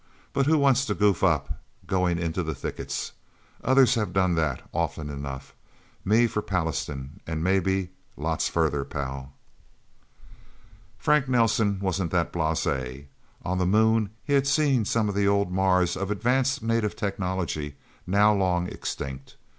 But who wants to goof up, going into the thickets? Others have done that, often enough. Me for Pallastown, and maybe lots farther, pal." Frank Nelsen wasn't that blasé. On the Moon, he had seen some of the old Mars of advanced native technology, now long extinct.